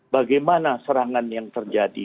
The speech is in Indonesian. bagaimana serangan yang terjadi